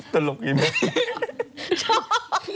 ตลกอีกแม่